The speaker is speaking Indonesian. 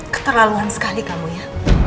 keterlaluan sekali kamu ya